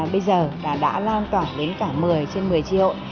bây giờ là đã lan tỏa đến cả một mươi trên một mươi triệu